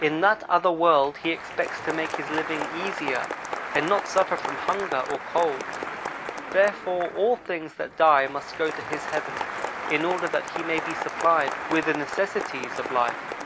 In that other world he expects to make his living easier, and not suffer from hunger or cold; therefore, all things that die must go to his heaven, in order that he may be supplied with the necessities of life.